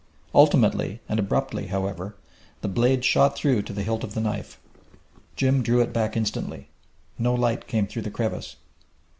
Ultimately, and abruptly, however, the blade shot through to the hilt of the knife. Jim drew it back instantly. No light came through the crevice.